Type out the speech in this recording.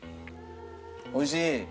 おいしい？